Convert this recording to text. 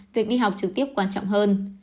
việc đi học trực tiếp quan trọng hơn